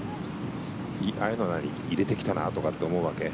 ああいうの入れてきたなとかって思うわけ？